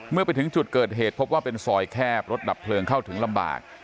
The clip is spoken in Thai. เมื่อไปถึงจุดเกิดเหตุพบว่าเป็นซอยแคบรถดับเพลิงเข้าถึงลำบาก